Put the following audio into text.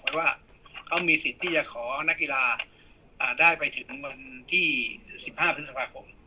ไว้ว่าเขามีสิทธิ์ที่จะขอนักกีฬาอ่าได้ไปถึงที่สิบห้าพฤษภาคม